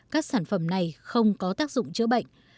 các sản phẩm này không có tác dụng chữa bệnh